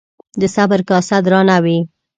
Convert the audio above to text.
د صبر کاسه درانه وي